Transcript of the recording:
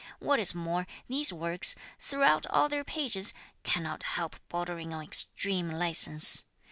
What is more, these works, throughout all their pages, cannot help bordering on extreme licence.